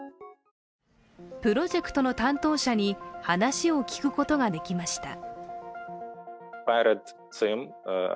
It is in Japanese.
プロジェクトの担当者に話を聞くことができました。